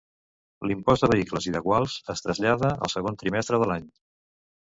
L'impost de vehicles i de guals es trasllada al segon semestre de l'any.